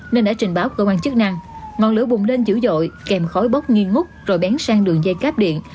nên đã trình báo công an chức năng ngọn lửa bùng lên dữ dội kèm khói bóp nghiêng ngút rồi bén sang đường dây cáp điện